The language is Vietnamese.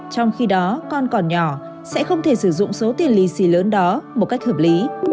trong khi đó con còn nhỏ sẽ không thể sử dụng số tiền lì xì lớn đó một cách hợp lý